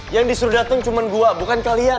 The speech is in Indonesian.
yang disuruh dateng cuma gua bukan kalian